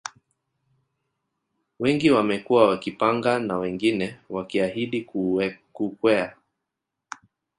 Wengi wamekuwa wakipanga na wengine wakiahidi kuukwea